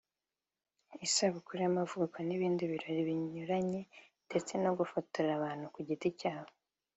isabukuru y’amavuko n’ibindi birori binyuranye ndetse no gufotora abantu ku giti cyabo